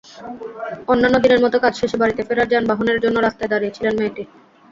অন্যান্য দিনের মতো কাজ শেষে বাড়িতে ফেরার যানবাহনের জন্য রাস্তায় দাঁড়িয়েছিল মেয়েটি।